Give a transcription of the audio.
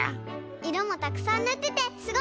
いろもたくさんぬっててすごいね。